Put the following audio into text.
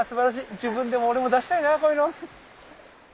自分でも俺も出したいなこういうの。